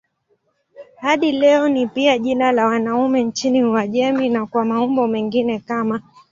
Hadi leo ni pia jina la wanaume nchini Uajemi na kwa maumbo mengine kama